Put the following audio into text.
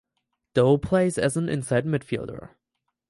Dow plays as an inside midfielder.